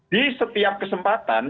di setiap kesempatan